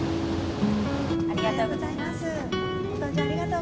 ご搭乗ありがとうございます。